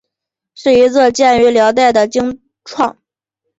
是一座建于辽代的经幢。